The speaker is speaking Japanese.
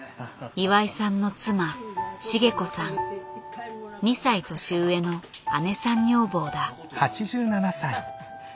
岩井さんの２歳年上の姉さん女房だ。